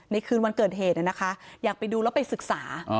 คืนวันเกิดเหตุนะคะอยากไปดูแล้วไปศึกษา